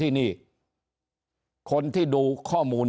ถ้าท่านผู้ชมติดตามข่าวสาร